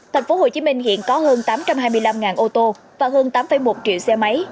thành phố hồ chí minh hiện có hơn tám trăm hai mươi năm ô tô và hơn tám một triệu xe máy